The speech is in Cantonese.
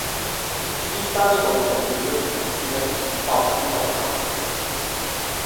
呢單訴訟要點樣裁決呢，法官閣下？